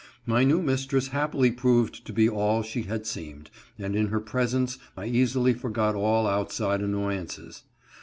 My new mistress happily proved to be all she had seemed, and in her presence I easily forgot all outside annoyances.